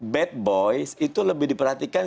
bad boys itu lebih diperhatikan